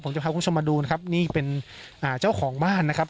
ผมจะพาคุณผู้ชมมาดูนะครับนี่เป็นอ่าเจ้าของบ้านนะครับ